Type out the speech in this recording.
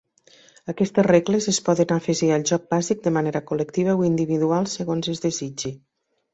Aquestes regles es poden afegir al joc bàsic de manera col·lectiva o individual segons es desitgi.